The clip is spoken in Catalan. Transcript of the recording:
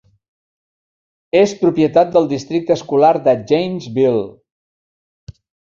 És propietat del districte escolar de Janesville.